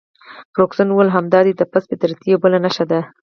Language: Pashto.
فرګوسن وویل: همدا دي د پست فطرتۍ یوه بله نښه ده.